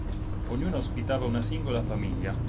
Ognuna ospitava una singola famiglia.